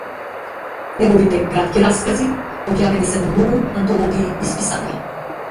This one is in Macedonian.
Неговите кратки раскази објавени се во многу антологии и списанија.